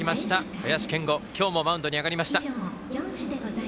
林謙吾、今日もマウンドに上がりました。